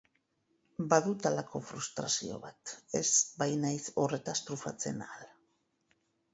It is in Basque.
Badut halako frustrazio bat ez bainaiz horretaz trufatzen ahal.